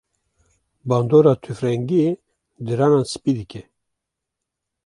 bandora tûfrengiyê diranan spî dike.